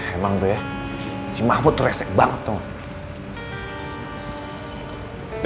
emang tuh ya si mahmud resek banget tuh